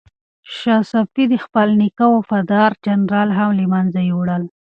شاه صفي د خپل نیکه وفادار جنرالان هم له منځه یووړل.